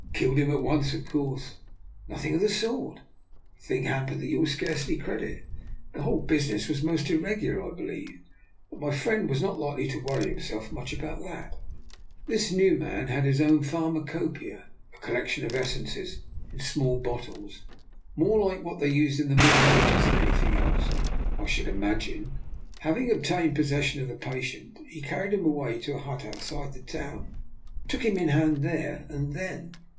And killed him at once, of course? " Nothing of the sort. A thing happened that you will scarcely credit. The whole business was most irregular, I believe, but my friend was not likely to worry himself much about that. This new man had his own phar macopoeia — a collection of essences in small bottles, more like what they used in the Mid dle Ages than anything else, I should im agine. Having obtained possession of the patient, he carried him away to a hut outside the town and took him in hand there and then.